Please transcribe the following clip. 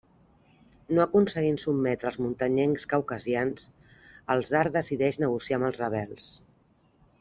No aconseguint sotmetre els muntanyencs caucasians, el tsar decideix negociar amb els rebels.